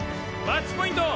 マッチポイント！